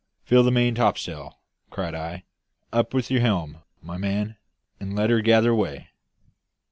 "Fill the main topsail," cried I. "Up with your helm, my man, and let her gather way."